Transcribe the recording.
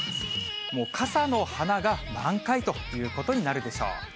傘の花が満開ということになるでしょう。